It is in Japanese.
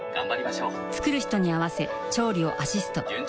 作る人に合わせ調理をアシストばぁ！